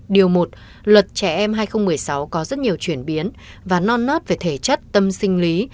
điều một luật trẻ em hai nghìn một mươi sáu có rất nhiều chuyển biến và non nớt về thể chất tâm sinh lý